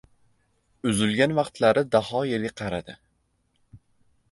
Uzilgan vaqtlari Daho yerga qaradi.